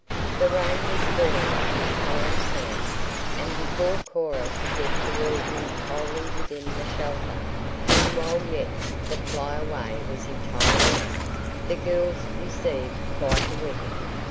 The rain was falling in torrents now, and before Cora could get the Whirlwind wholly within the shelter, and while yet the Flyaway was entirely out; the girls received quite a wetting.